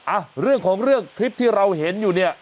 อ่ะเรื่องของเรื่องคลิปที่เราเห็นอยู่เนี่ย